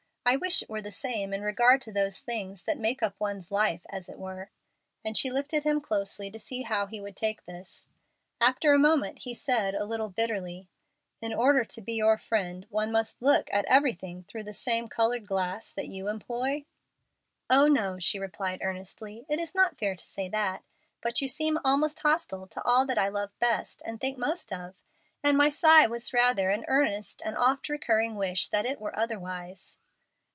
I wish it were the same in regard to those things that make up one's life, as it were;" and she looked at him closely to see how he would take this. After a moment he said, a little bitterly, "In order to be your friend, must one look at everything through the same colored glass that you employ?" "Oh, no," she replied, earnestly; "it is not fair to say that. But you seem almost hostile to all that I love best and think most of, and my sigh was rather an earnest and oft recurring wish that it were otherwise."